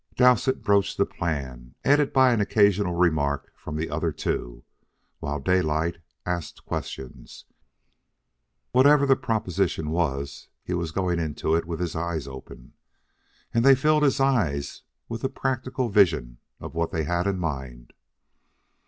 Dowsett broached the plan, aided by an occasional remark from the other two, while Daylight asked questions. Whatever the proposition was, he was going into it with his eyes open. And they filled his eyes with the practical vision of what they had in mind.